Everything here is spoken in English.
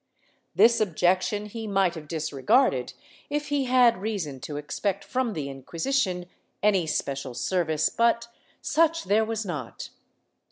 This objection he might have disregarded, if he had reason to expect from the Inquisition any special service, but such there was not.